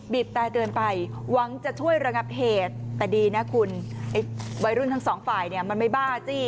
บแต่เกินไปหวังจะช่วยระงับเหตุแต่ดีนะคุณไอ้วัยรุ่นทั้งสองฝ่ายเนี่ยมันไม่บ้าจี้